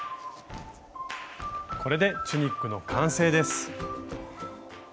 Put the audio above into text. これでチュニックの完成です。